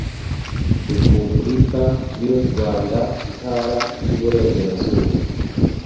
Republika y’u Rwanda Intara y’Iburengerazuba